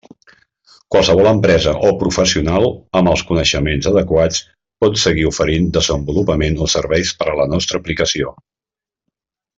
Qualsevol empresa o professional, amb els coneixements adequats, pot seguir oferint desenvolupament o serveis per a la nostra aplicació.